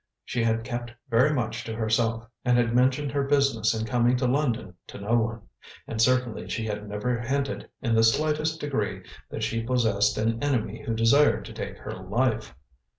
She had kept very much to herself, and had mentioned her business in coming to London to no one. And certainly she had never hinted in the slightest degree that she possessed an enemy who desired to take her life.